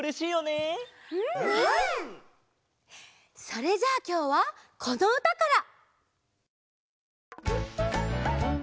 それじゃあきょうはこのうたから！